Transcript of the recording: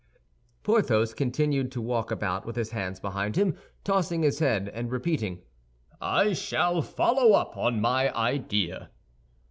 Porthos continued to walk about with his hands behind him, tossing his head and repeating, "I shall follow up on my idea."